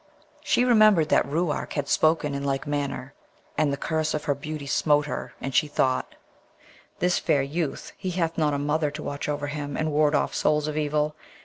She remembered that Ruark had spoken in like manner, and the curse of her beauty smote her, and she thought, 'This fair youth, he hath not a mother to watch over him and ward off souls of evil.